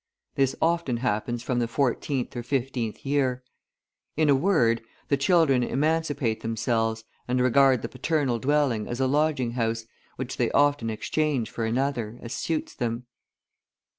This often happens from the fourteenth or fifteenth year. In a word, the children emancipate themselves, and regard the paternal dwelling as a lodging house, which they often exchange for another, as suits them.